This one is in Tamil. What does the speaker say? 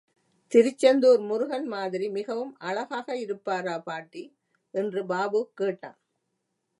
திருச்செந்துார் முருகன் மாதிரி மிகவும் அழகாக இருப்பாரா பாட்டி? என்று பாபு கேட்டான்.